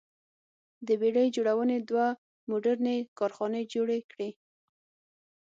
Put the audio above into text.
د بېړۍ جوړونې دوه موډرنې کارخانې جوړې کړې.